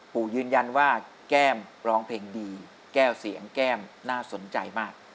ยืนยันว่าแก้มร้องเพลงดีแก้วเสียงแก้มน่าสนใจมาก